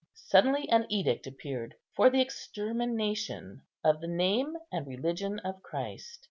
Suddenly an edict appeared for the extermination of the name and religion of Christ.